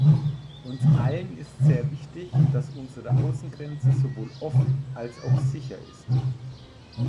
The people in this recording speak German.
Uns allen ist sehr wichtig, dass unsere Außengrenze sowohl offen als auch sicher ist.